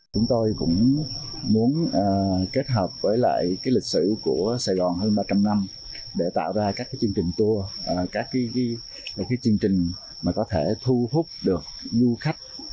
chúng tôi cũng muốn kết hợp với lại lịch sử của sài gòn hơn ba trăm linh năm để tạo ra các chương trình tour các chương trình có thể thu hút được du khách